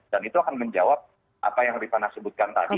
dan itu akan menjawab apa yang arifana sebutkan tadi